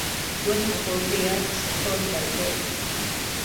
He went to the poultry yard, followed by Beth.